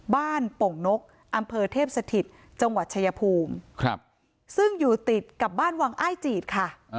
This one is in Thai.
โป่งนกอำเภอเทพสถิตจังหวัดชายภูมิซึ่งอยู่ติดกับบ้านวังอ้ายจีดค่ะ